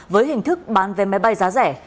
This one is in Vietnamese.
với hình thức bán về máy bay giá rẻ